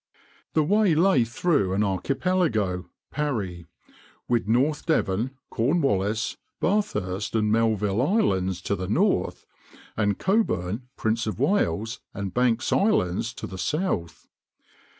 The way lay through an archipelago (Parry), with North Devon, Cornwallis, Bathurst and Melville islands to the north, and Cockburn, Prince of Wales, and Banks islands to the south.